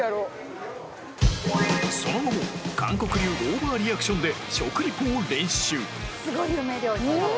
その後も韓国流オーバーリアクションで食リポを練習